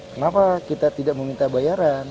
kenapa kita tidak meminta bayaran